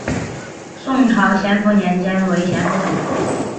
宋朝咸淳年间为咸淳府。